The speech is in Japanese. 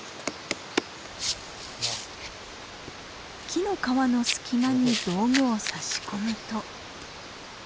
木の皮の隙間に道具を差し込むと。